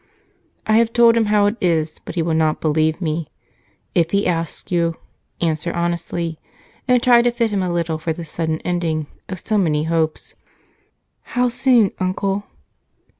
I have told him how it is, but he will not believe me. If he asks you, answer honestly and try to fit him a little for this sudden ending of so many hopes." "How soon, Uncle?"